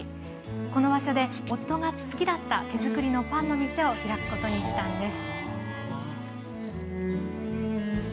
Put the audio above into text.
この場所で夫が好きだった手作りのパンの店を開くことにしたんです。